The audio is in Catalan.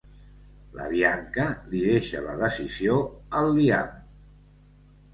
La Bianca li deixa la decisió al Liam.